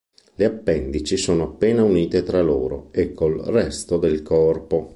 Le appendici sono appena unite tra loro e col resto del corpo.